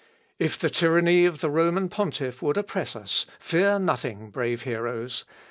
If the tyranny of the Roman pontiff would oppress us, fear nothing, brave heroes!